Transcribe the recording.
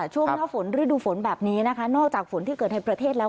ช่วงหน้าฝนฤดูฝนแบบนี้นะคะนอกจากฝนที่เกิดในประเทศแล้ว